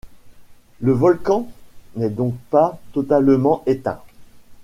Le volcan n'est donc pas totalement éteint?